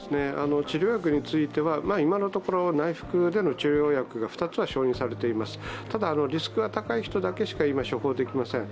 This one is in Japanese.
治療薬については今のところ内服の治療薬が２つ承認されています。